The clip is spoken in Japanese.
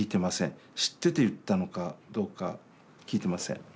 知ってて言ったのかどうか聞いてません。